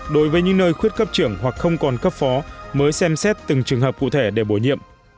đối với những nơi khuyết cấp trưởng hoặc không còn cấp phó mới xem xét từng trường hợp cụ thể để bổ nhiệm